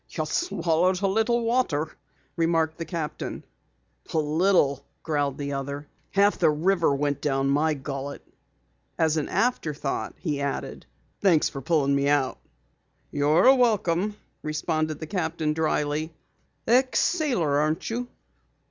"You swallowed a little water," remarked the captain. "A little?" growled the other. "Half the river went down my gullet." As an afterthought he added: "Thanks for pullin' me out." "You're welcome," responded the captain dryly. "Ex sailor, aren't you?"